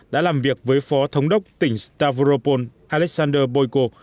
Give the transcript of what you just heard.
đã làm việc với phó thống đốc tỉnh stavropol alexander boyko